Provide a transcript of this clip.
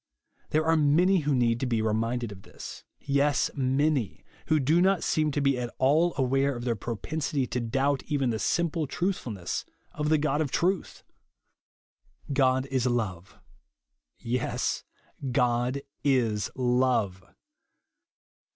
There are many who need to be reminded of this ;— yes, many, who do not seem to be at all aware of tXieir propensity to doubt even the simple truthfulness of the God of truth. God is love. Yes, God is love.